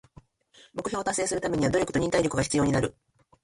目標を達成するためには努力と忍耐力が必要になる。